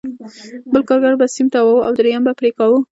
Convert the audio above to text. بل کارګر به سیم تاواوه او درېیم به پرې کاوه